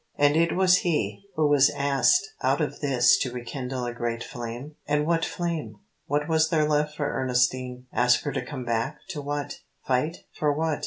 And it was he, who was asked, out of this, to rekindle a great flame? And what flame? What was there left for Ernestine? Ask her to come back to what? Fight for what?